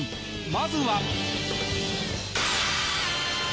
まずは。